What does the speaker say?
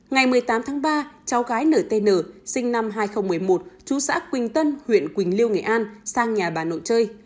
ngày một mươi tám tháng ba cháu gái nt sinh năm hai nghìn một mươi một chú xã quỳnh tân huyện quỳnh liêu nghệ an sang nhà bà nội chơi